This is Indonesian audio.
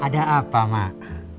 ada apa mak